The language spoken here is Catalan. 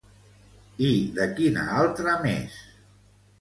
I de quina altra més?